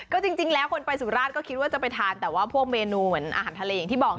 ก็จริงแล้วคนไปสุราชก็คิดว่าจะไปทานแต่ว่าพวกเมนูเหมือนอาหารทะเลอย่างที่บอก